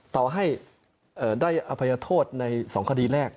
ต่อให้ได้อภัยโทษใน๒คดีแรก